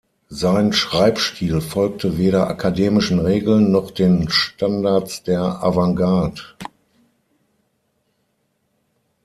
Sein Schreibstil folgte weder akademischen Regeln noch den Standards der Avantgarde.